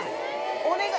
お願い